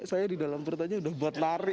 saya di dalam perut aja udah buat lari